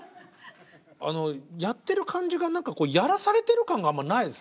あのやってる感じが何かこうやらされてる感があんまないですね。